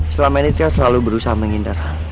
selama ini kita selalu berusaha menghindarkan